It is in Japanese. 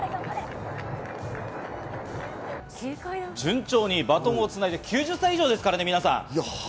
順調にバトンをつないで９０歳以上ですからね、皆さん。